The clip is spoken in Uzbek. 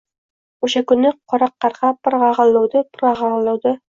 Oʼsha kuni qora qargʼa bir qagʼillovdi, bir qagʼillovdi…